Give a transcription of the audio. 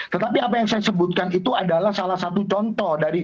tetapi apa yang saya sebutkan itu adalah salah satu contoh dari